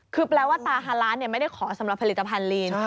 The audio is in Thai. คือแปลว่าตาฮาล้านไม่ได้ขอสำหรับผลิตภัณฑลีน